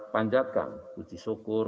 panjatkan puji syukur